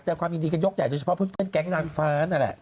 แต่ความยินดีกันยกใหญ่โดยเฉพาะเพื่อนแก๊งนางฟ้านั่นแหละ